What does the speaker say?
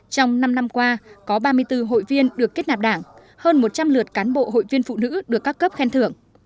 trong năm năm qua có ba mươi bốn hội viên được kết nạp đảng hơn một trăm linh lượt cán bộ hội viên phụ nữ được các cấp khen thưởng